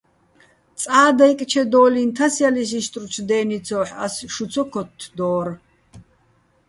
წა დაჲკჩედო́ლიჼ თასჲალისო̆ იშტრუჩო̆ დე́ნი, ცო́ჰ̦ ას შუ ცო ქოთთდო́რ.